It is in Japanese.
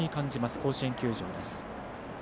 甲子園球場です。